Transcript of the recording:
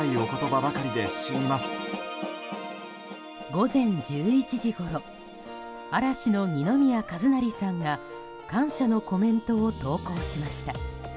午前１１時ごろ嵐の二宮和也さんが感謝のコメントを投稿しました。